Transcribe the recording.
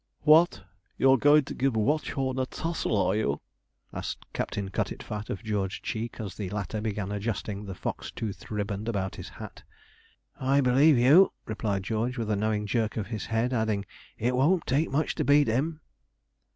'What! you are going to give Watchorn a tussle, are you?' asked Captain Cutitfat of George Cheek, as the latter began adjusting the fox toothed riband about his hat. 'I believe you,' replied George, with a knowing jerk of his head; adding, 'it won't take much to beat him.'